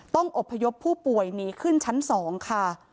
อบพยพผู้ป่วยหนีขึ้นชั้น๒ค่ะ